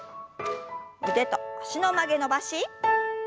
腕と脚の曲げ伸ばし。